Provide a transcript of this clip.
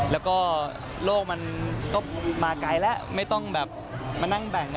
แล้วก็โลกมันก็มาไกลแล้วไม่ต้องแบบมานั่งแบ่ง